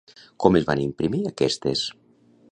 Com es van imprimir aquestes?